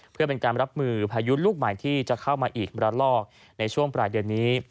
เพื่อเป็นการรับมือพายุลูกใหม่ที่จะเข้ามาอีกระลอกในช่วงปลายเดือนนี้